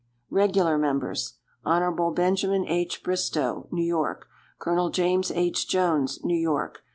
Regular Members. Hon. Benj. H. Bristow, New York. Col. James H. Jones, New York.